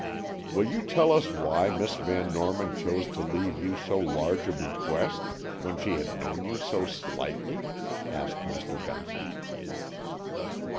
"Will you tell us why Miss Van Norman chose to leave you so large a bequest, when she had known you so slightly?" asked Mr. Benson.